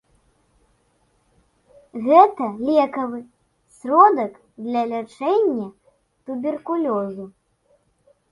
Гэта лекавы сродак для лячэння туберкулёзу.